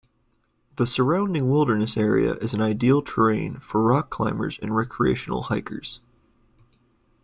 The surrounding wilderness area is an ideal terrain for rock climbers and recreational hikers.